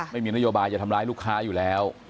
ไม่มีนโยบายจะทำร้ายลูกค้าอยู่แล้ว